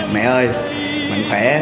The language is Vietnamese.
mẹ ơi mạnh khỏe